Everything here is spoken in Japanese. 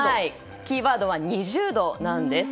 キーワードは２０度なんです。